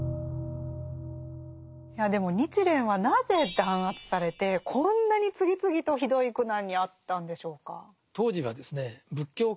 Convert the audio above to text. いやでも日蓮はなぜ弾圧されてこんなに次々とひどい苦難にあったんでしょうか。